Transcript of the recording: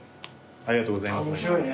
ありがとうございます。